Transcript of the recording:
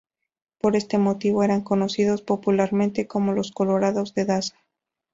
Por este motivo eran conocidos popularmente como los "Colorados de Daza".